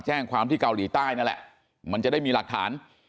แจ้งความที่เกาหลีใต้นั่นแหละมันจะได้มีหลักฐาน